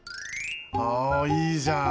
あいいじゃん。